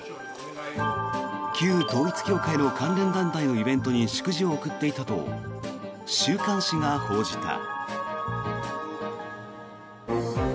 旧統一教会の関連団体のイベントに祝辞を贈っていたと週刊誌が報じた。